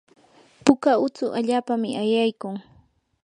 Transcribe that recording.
puka utsu allapami ayaykun.